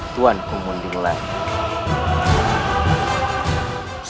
tuan kumunding layak